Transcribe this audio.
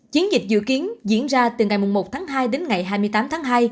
chiến dịch dự kiến diễn ra từ ngày một tháng hai đến ngày hai mươi tám tháng hai